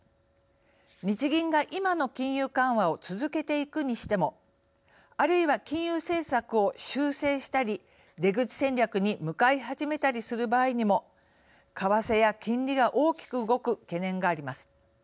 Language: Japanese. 日銀が、今の金融緩和を続けていくにしてもあるいは、金融政策を修正したり出口戦略に向かい始めたりする場合にも為替や金利が大きく動く懸念があります。